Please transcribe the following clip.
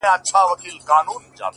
د وحشت؛ په ښاریه کي زندگي ده؛